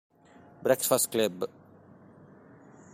Breakfast Club